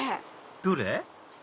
どれ？